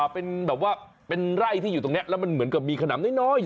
เป็นไร่ที่อยู่ตรงนี้แล้วมันเหมือนกับมีขนำน้อย